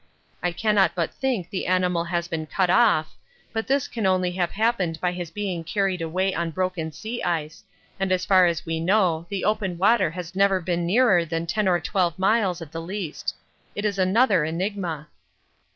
I cannot but think the animal has been cut off, but this can only have happened by his being carried away on broken sea ice, and as far as we know the open water has never been nearer than 10 or 12 miles at the least. It is another enigma.